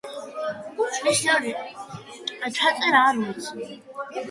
მიჩნეულია ნეანდერტალელების უკანასკნელ საცხოვრისად.